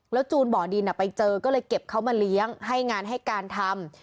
จูนบ่อดินไปเจอก็เลยเก็บเขามาเลี้ยงให้งานให้การทำ